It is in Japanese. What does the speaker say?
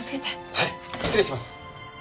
はい失礼します。